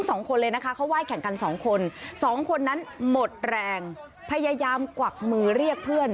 โอ้โฮนั่นไง